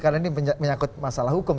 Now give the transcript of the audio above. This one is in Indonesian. karena ini menyangkut masalah hukum